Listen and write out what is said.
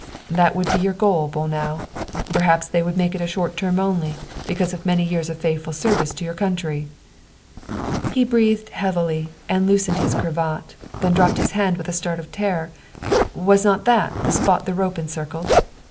That would be your goal, Bolnau. Perhaps they would make it a short term only, because of many years of faithful service to your country !" He breathed heavily and loosened his cravat, then dropped his hand with a start of terror. Was not that the spot the rope encircled